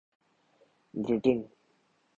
Britain